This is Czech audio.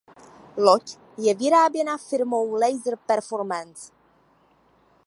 Loď je vyráběna firmou Laser Performance.